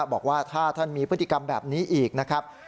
บอกว่าถ้าท่านมีพฤติกรรมแบบนี้อีกนะครับ